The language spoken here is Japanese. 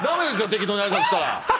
適当に挨拶したら。